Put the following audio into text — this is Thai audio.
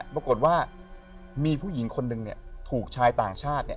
ปรากฏว่ามีผู้หญิงคนหนึ่งถูกชายต่างชาติ